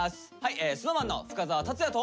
ＳｎｏｗＭａｎの深澤辰哉と。